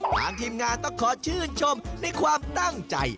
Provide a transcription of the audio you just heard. ทางทีมงานต้องขอชื่นชมในความตั้งใจ